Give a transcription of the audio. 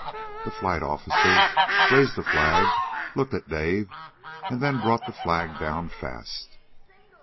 The flight officer raised the flag, looked at Dave, and then brought the flag down fast.